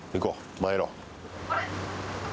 参ろう。